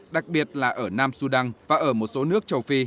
đặc biệt là ở nam sudan và ở một số nước châu phi